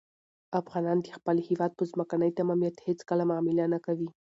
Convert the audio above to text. افغانان د خپل هېواد په ځمکنۍ تمامیت هېڅکله معامله نه کوي.